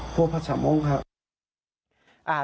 พูดภาษามงค์ครับ